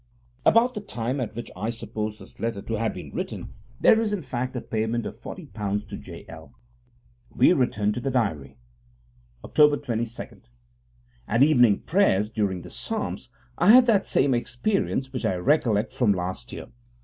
About the time at which I suppose this letter to have been written there is, in fact, a payment of £40 to J.L. We return to the diary: Oct. 22 At evening prayers, during the Psalms, I had that same experience which I recollect from last year.